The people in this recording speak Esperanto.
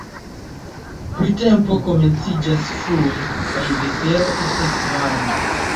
Printempo komenciĝas frue kaj vetero estas varma.